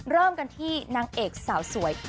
เริ่มกันที่นางเอกสาวสวย